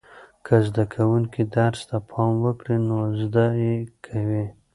که زده کوونکي درس ته پام وکړي نو زده یې کوي.